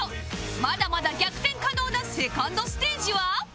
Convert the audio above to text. まだまだ逆転可能なセカンドステージは？